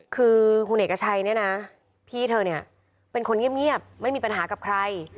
คือคุณเอกชัยเนี่ยนะพี่เธอเนี่ยเป็นคนเงียบไม่มีปัญหากับใคร